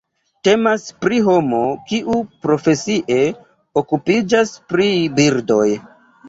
Temas pri homo kiu profesie okupiĝas pri birdoj.